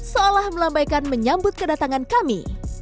seolah melambaikan menyambut kedatangan kami